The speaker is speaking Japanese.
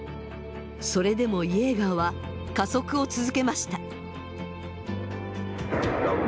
それでもイェーガーは加速を続けました。